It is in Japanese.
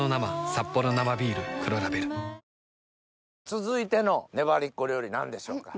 続いてのねばりっこ料理何でしょうか？